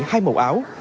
hai màu áo